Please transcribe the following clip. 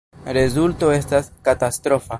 Rezulto estas katastrofa.